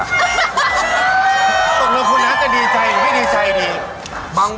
ตกลงคุณน้าจะดีใจหรือไม่ดีใจดี